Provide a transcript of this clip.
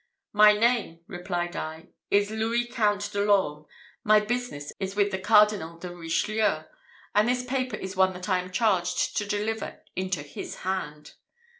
"My name," replied I, "is Louis Count de l'Orme; my business is with the Cardinal de Richelieu, and this paper is one which I am charged to deliver into his hand."